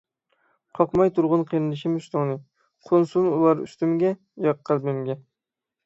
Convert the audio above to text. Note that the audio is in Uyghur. قاقماي تۇرغىن قېرىندىشىم ئۈستۈڭنى، قونسۇن ئۇلار ئۈستۈمگە، ياق قەلبىمگە.